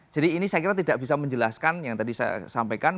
jadi ini saya kira tidak bisa menjelaskan yang tadi saya sampaikan